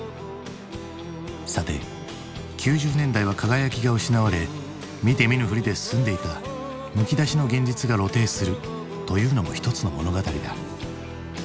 さて９０年代は輝きが失われ見て見ぬふりで済んでいたむき出しの現実が露呈するというのも一つの物語だ。